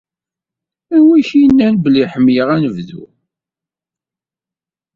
Anwa i ak-innan belli ḥemmleɣ anebdu?